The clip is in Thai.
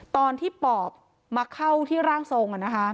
ตอนที่ปอบมาเข้าที่ร่างทรง